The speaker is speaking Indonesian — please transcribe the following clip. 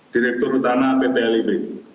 direktur utama pt lib